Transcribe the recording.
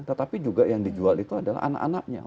tetapi juga yang dijual itu adalah anak anaknya